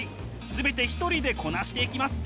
全て一人でこなしていきます。